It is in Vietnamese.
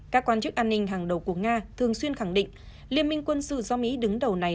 các quan chức an ninh hàng đầu của nga thường xuyên khẳng định liên minh quân sự do mỹ đứng đầu này